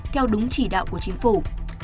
theo đúng chỉ đạo của chính phủ